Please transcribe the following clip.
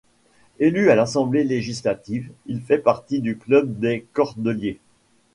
Élu à l’Assemblée législative, il fait partie du club des Cordeliers.